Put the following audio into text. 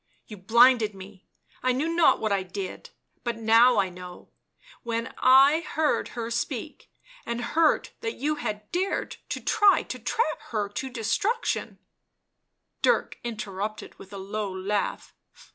" You blinded me ... I knew not what I did ... but now I know ; when I — I— heard her speak, and heard that you had dared to try to trap her to destruction " Dirk interrupted with a low laugh.